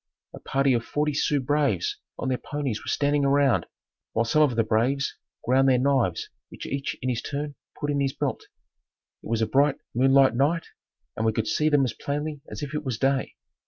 A party of forty Sioux braves on their ponies were standing around, while some of the braves ground their knives which each in his turn put in his belt. It was a bright moonlight night and we could see them as plainly as if it was day.